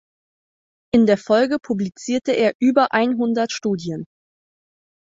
In der Folge publizierte er über einhundert Studien.